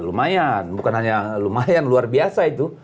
lumayan bukan hanya lumayan luar biasa itu